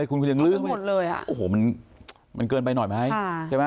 คุณยังลื้อไหมมันเกินไปหน่อยไหม